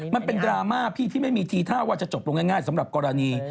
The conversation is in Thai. มันเป็นดราม่าพี่ที่ไม่มีทีท่าว่าจะจบลงง่ายสำหรับกรณี